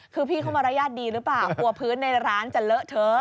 คือพี่เขามารยาทดีหรือเปล่ากลัวพื้นในร้านจะเลอะเทอะ